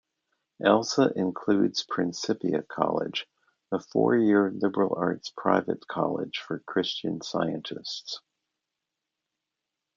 Elsah includes Principia College, a four-year liberal-arts private college for Christian Scientists.